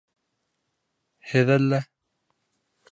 Һеҙ әллә...